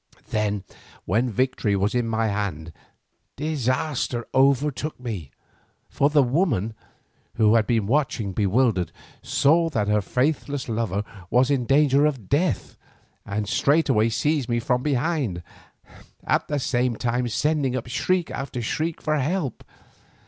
Then, when victory was in my hand disaster overtook me, for the woman, who had been watching bewildered, saw that her faithless lover was in danger of death and straightway seized me from behind, at the same time sending up shriek after shriek for help.